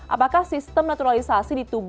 apakah sistem naturalisasi ditunggu